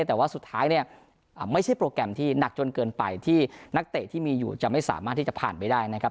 แต่ว่าสุดท้ายเนี่ยไม่ใช่โปรแกรมที่หนักจนเกินไปที่นักเตะที่มีอยู่จะไม่สามารถที่จะผ่านไปได้นะครับ